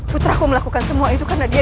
putraku melakukan semua itu karena dia